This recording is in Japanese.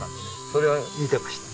それは見てました。